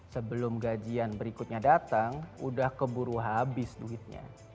sebelum gajian berikutnya datang udah keburu habis duitnya